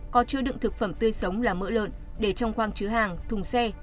có chứa đựng thực phẩm tươi sống là mỡ lợn để trong khoang chứa hàng thùng xe